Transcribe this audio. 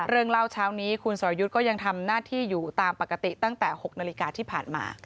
เล่าเช้านี้คุณสรยุทธ์ก็ยังทำหน้าที่อยู่ตามปกติตั้งแต่๖นาฬิกาที่ผ่านมา